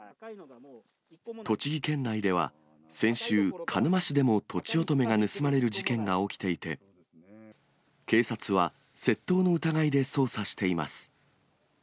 栃木県内では先週、鹿沼市でもとちおとめが盗まれる事件が起きていて、警察は、窃盗の疑いで捜査しています。